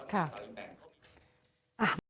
ค่ะ